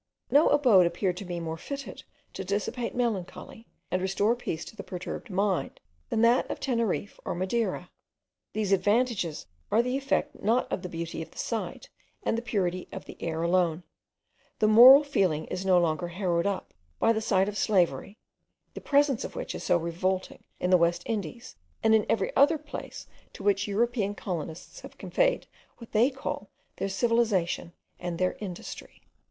No abode appeared to me more fitted to dissipate melancholy, and restore peace to the perturbed mind, than that of Teneriffe or Madeira. These advantages are the effect not of the beauty of the site and the purity of the air alone: the moral feeling is no longer harrowed up by the sight of slavery, the presence of which is so revolting in the West Indies, and in every other place to which European colonists have conveyed what they call their civilization and their industry.